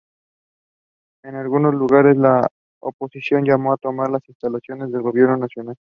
En algunos lugares la oposición llamó a tomar las instalaciones del gobierno nacional.